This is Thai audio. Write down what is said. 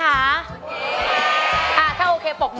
คุณแม่รู้สึกยังไงในตัวของกุ้งอิงบ้าง